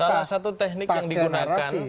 salah satu teknik yang digunakan